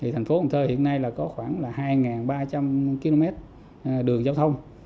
thành phố hồn thơ hiện nay có khoảng hai ba trăm linh km đường giao thông